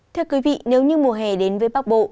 thưa quý vị nếu như mùa hè đến với bắc bộ